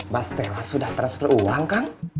bastela sudah transfer uang kan